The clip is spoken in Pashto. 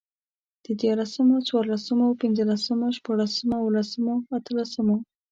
ديارلسمو، څوارلسمو، پنځلسمو، شپاړسمو، اوولسمو، اتلسمو